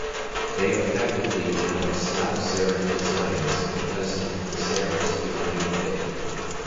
They effectively become slab serif designs because of the serifs becoming thick.